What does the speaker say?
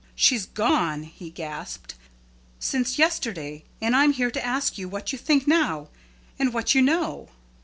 "She's gone!" he gasped. "Since yesterday. And I'm here to ask you what you think now? And what you know."